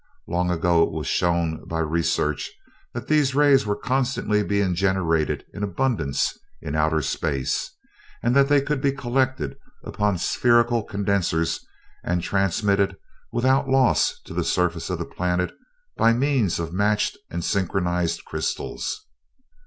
Long ago it was shown by research that these rays were constantly being generated in abundance in outer space, and that they could be collected upon spherical condensers and transmitted without loss to the surface of the planet by means of matched and synchronized crystals.